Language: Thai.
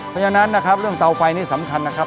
เพราะฉะนั้นนะครับเรื่องเตาไฟนี่สำคัญนะครับ